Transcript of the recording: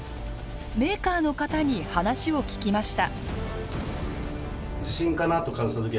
メーカーの方に話を聞きました。